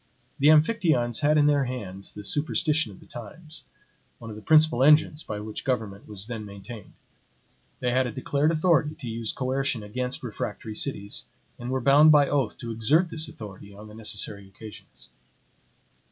The Amphictyons had in their hands the superstition of the times, one of the principal engines by which government was then maintained; they had a declared authority to use coercion against refractory cities, and were bound by oath to exert this authority on the necessary occasions.